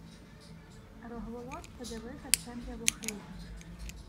Рогволод подивився в темряву хижі..